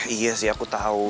iya sih aku tahu